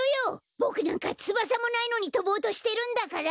ボクなんかつばさもないのにとぼうとしてるんだから！